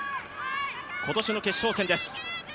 今年の決勝戦です。